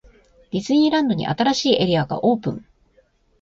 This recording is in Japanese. ディズニーランドに、新しいエリアがオープン!!